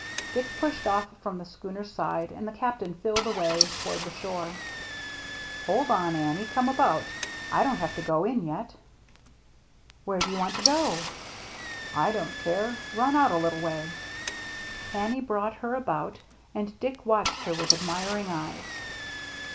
Dick pushed ofF from the schooner's side and the Captain filled away toward the shore. " Hold on, Annie, come about. I don't have to go in yet." DICK AND HIS MERRT ANNE 35 " Where do you want to go ?"^^ I don't care — run out a little way." Annie brought her about and Dick watched her with admiring eyes.